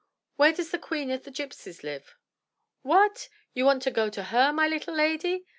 Where does the queen of the gypsies live?" "What! do you want to go to her, my little lady?"